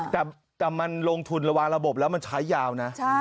แต่มันลงทุนระวางระบบแล้วมันใช้ยาวนะ